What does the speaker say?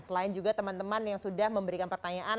selain juga teman teman yang sudah memberikan pertanyaan